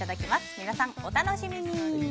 皆さん、お楽しみに。